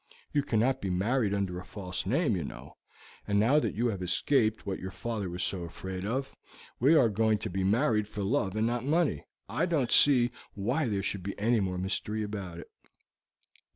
You cannot be married under a false name, you know, and now that you have escaped what your father was so afraid of, and are going to be married for love and not for money, I don't see why there should be any more mystery about it."